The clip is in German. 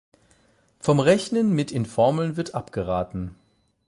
Vom Rechnen mit in Formeln wird abgeraten.